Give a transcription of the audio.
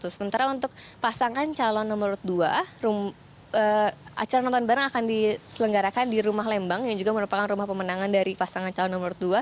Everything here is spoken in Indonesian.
sementara untuk pasangan calon nomor dua acara nonton bareng akan diselenggarakan di rumah lembang yang juga merupakan rumah pemenangan dari pasangan calon nomor dua